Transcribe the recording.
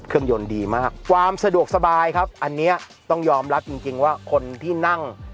ยนต์ดีมากความสะดวกสบายครับอันนี้ต้องยอมรับจริงว่าคนที่นั่ง